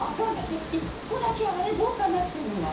でも１個だけあれどうかな？っていうのが。